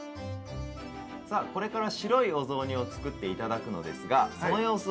さあこれから白いお雑煮を作っていただくのですがその様子を。